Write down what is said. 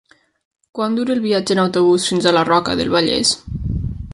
Quant dura el viatge en autobús fins a la Roca del Vallès?